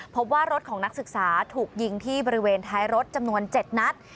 พบว่ารถของนักศึกษาถูกยิงที่บริเวณท้ายรถจำนวน๗นัด